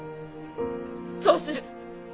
そうする。